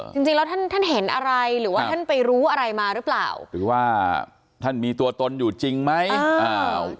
จริงจริงแล้วท่านท่านเห็นอะไรหรือว่าท่านไปรู้อะไรมาหรือเปล่าหรือว่าท่านมีตัวตนอยู่จริงไหมอ่า